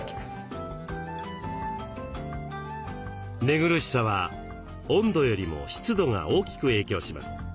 寝苦しさは温度よりも湿度が大きく影響します。